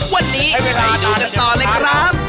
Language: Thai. วันนี้ไปดูกันต่อเลยครับ